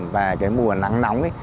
và cái mùa nắng nóng ấy